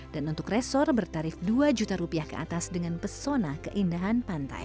dan untuk resor bertarif dua juta rupiah ke atas dengan pesona keindahan pantai